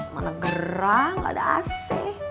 mana gerang gak ada ac